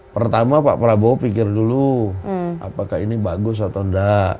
pertama pak prabowo pikir dulu apakah ini bagus atau enggak